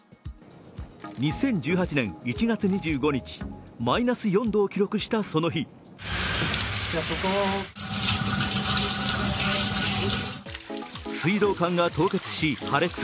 ２０１８年１月２５日、マイナス４度を記録したその日水道管が凍結し、破裂。